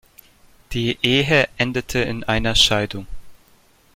Die Ehe endete in einer Scheidung.